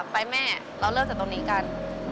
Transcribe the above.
ไปแม่เราเลิกจากตรงนี้กัน